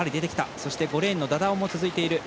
そして、５レーンのダダオンも続いている。